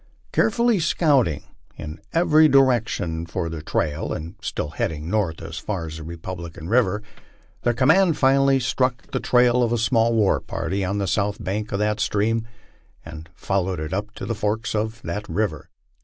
Carefully scouting in every direction for the trail and still heading north as far as the Republican river, the command finally struck the trail of a small war party on the south bank of that stream, and followed it up to the forks of that river.